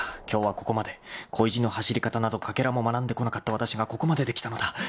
今日はここまで恋路の走り方などかけらも学んでこなかったわたしがここまでできたのだ。